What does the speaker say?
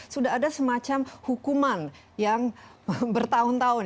sudah ada semacam hukuman yang bertahun tahun